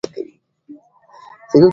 سګرېټ پرېښودل د وزن کمولو کې مرسته کوي.